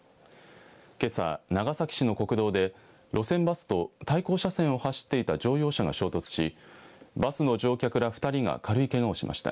けさ、長崎市の国道で路線バスと対向車線を走っていた乗用車が衝突しバスの乗客ら２人が軽いけがをしました。